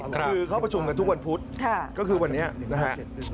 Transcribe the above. คือเขาประชุมกันทุกวันพุธก็คือวันนี้นะฮะ